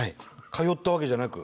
通ったわけじゃなく？